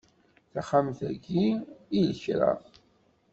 Taxxamt-ayi i lekra.